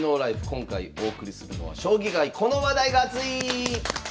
今回お送りするのは「将棋界・この話題がアツい！」。